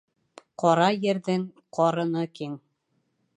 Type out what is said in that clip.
Ҡара ерҙең ҡарыны киң.